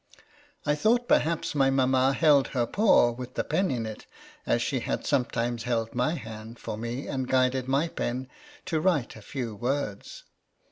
I thought perhaps my INTRODUCTION. mamma held her paw, with the pen in it, as she had sometimes held my hand for me, and guided my pen to write a few words.